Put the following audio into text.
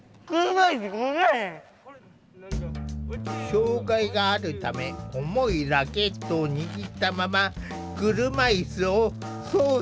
障害があるため重いラケットを握ったまま車いすを操作できない。